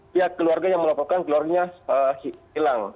pihak keluarga yang melaporkan keluarganya hilang